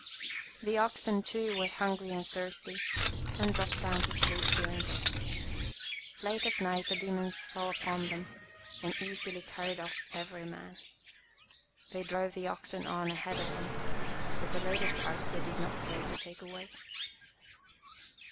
The oxen, too, were hungry and thirsty and dropped down to sleep here and there. Late at night the demons fell upon them WISE AND FOOLISH MERCHANT and easily carried off every man. They drove the oxen on ahead of them, but the loaded carts they did not care to take away.